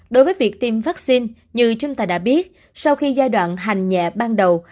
đối với việc tiêm vaccine như chúng ta đã biết sau khi giai đoạn hành nhẹ ban đầu